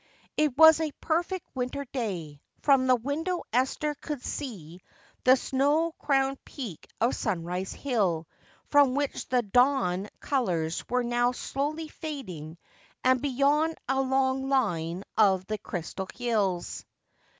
It was a perfect winter day. From the window Esther could see the snow crowned peak of Sunrise Hill from which the dawn colors were now slowly fading and beyond a long line of the crystal hills.